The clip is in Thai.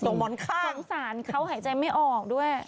ส่งหมอนข้างสั่งสารเขาหายใจไม่ออกด้วย